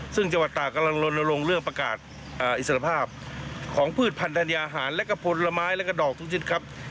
ซึ่งจังหวัดตากกำลังลนลงเรื่องประกาศอิสรภาพของพืชพันธัญญาหารและก็ผลไม้แล้วก็ดอกทุกชิ้นครับ